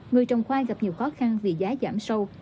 người trồng khoai gặp nhiều khó khăn vì giá giảm sâu